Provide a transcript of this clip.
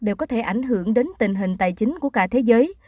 đều có thể ảnh hưởng đến tình hình tài chính của cả thế giới